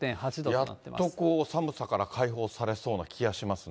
やっとこう、寒さから解放されそうな気がしますね。